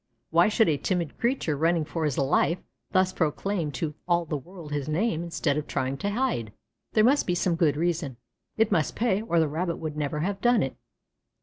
Why should a timid creature running for his life thus proclaim to all the world his name instead of trying to hide? There must be some good reason. It must pay, or the Rabbit would never have done it.